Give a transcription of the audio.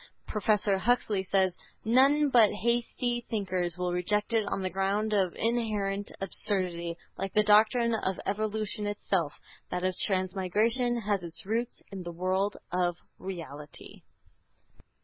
Professor Huxley says: "None but hasty thinkers will reject it on the ground of inherent absurdity. Like the doctrine of evolution itself, that of transmigration has its roots in the world of reality."